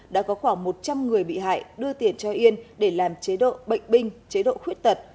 đã có khoảng một trăm linh người bị hại đưa tiền cho yên để làm chế độ bệnh binh chế độ khuyết tật